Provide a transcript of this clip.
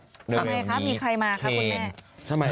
ทำไมครับมีใครมาครับคุณแม่